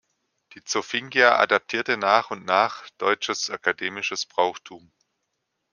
Die Zofingia adaptierte nach und nach deutsches akademisches Brauchtum.